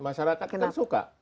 masyarakat kan suka